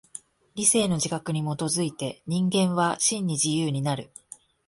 理性の自覚に基づいて人間は真に自由になる。